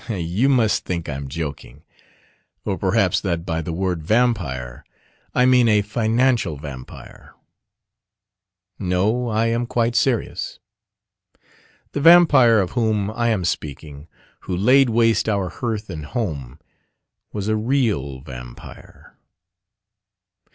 You must think I am joking, or perhaps that by the word "Vampire" I mean a financial vampire. No, I am quite serious. The Vampire of whom I am speaking, who laid waste our hearth and home, was a real vampire.